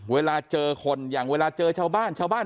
เวลาเจอคนอย่างเวลาเจอชาวบ้าน